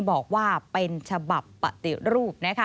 บอกว่าเป็นฉบับปฏิรูป